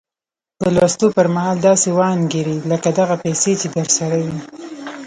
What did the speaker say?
د لوستو پر مهال داسې وانګيرئ لکه دغه پيسې چې درسره وي.